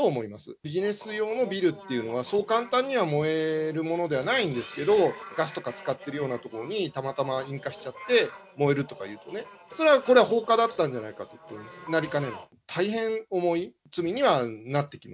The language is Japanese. ビジネス用のビルっていうのはそう簡単には燃えるものではないんですけど、ガスとか使ってるような所に、たまたま引火しちゃって、燃えるとかいうとね、それはこれは、放火だったんじゃないかとなりかねない。